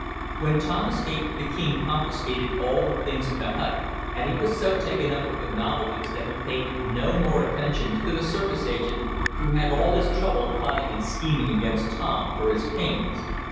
When Tom escaped, the king confiscated all the things in the hut, and he was so taken up with the novelties that he paid no more attention to the circus agent, who had all his trouble, plotting and scheming against Tom for his pains.